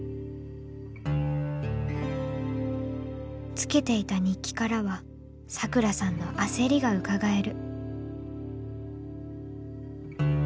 つけていた日記からはサクラさんの焦りがうかがえる。